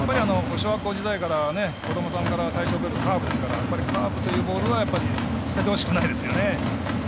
小学校時代から子どもさんが最初覚えるのカーブですからカーブというボールはやっぱり捨ててほしくないですね。